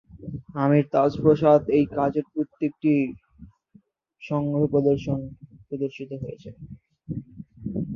কায়রোর Amir Taj প্রাসাদ এ তার কাজের একটি সংগ্রহ প্রদর্শিত হয়েছে।